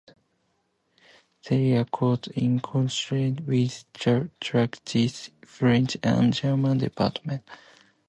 They are taught in conjunction with Trinity's French and German departments.